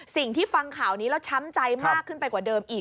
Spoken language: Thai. สิ่งที่ฟังข่าวนี้แล้วช้ำใจมากขึ้นไปกว่าเดิมอีก